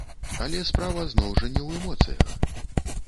Але справа, зноў жа, не ў эмоцыях.